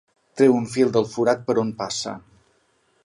Treu un fil del forat per on passa.